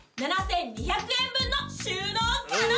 ７，２００円分の収納可能！